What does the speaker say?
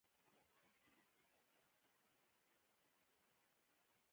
غزني د افغانستان په ستراتیژیک اهمیت کې خورا مهم رول لري.